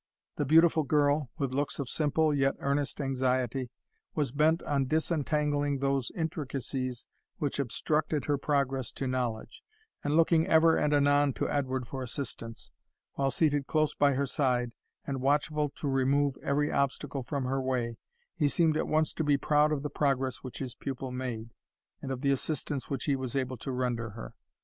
The beautiful girl, with looks of simple, yet earnest anxiety, was bent on disentangling those intricacies which obstructed her progress to knowledge, and looking ever and anon to Edward for assistance, while, seated close by her side, and watchful to remove every obstacle from her way, he seemed at once to be proud of the progress which his pupil made, and of the assistance which he was able to render her.